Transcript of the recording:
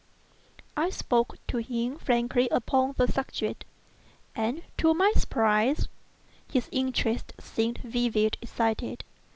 I spoke to him frankly upon the subject; and, to my surprise, his interest seemed vividly excited.